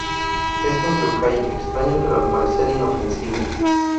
Es un yōkai extraño pero al parecer inofensivo.